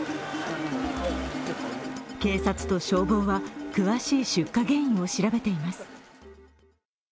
警察と消防は詳しい出火原因を調べています。